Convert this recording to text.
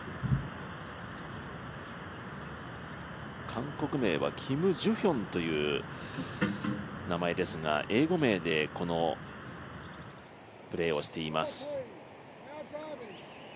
韓国名はキムジュヒョンという名前ですが、英語名でプレーをしています。